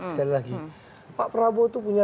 sekali lagi pak prabowo itu punya